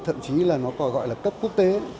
thậm chí là nó còn gọi là cấp quốc tế